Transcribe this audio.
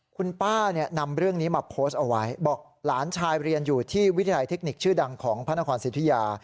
คุณป้าเนี่ยนำเรื่องนี้มาโพสต์เอาไว้บอกหลานชายเรียนอยู่ที่วิทยาลัยเทคนิคชื่อดังของพระนครสิทธิยา